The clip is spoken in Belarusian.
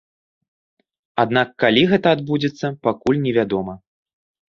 Аднак калі гэта адбудзецца, пакуль невядома.